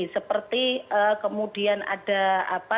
seperti kemudian ada apa